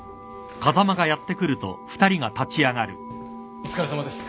お疲れさまです。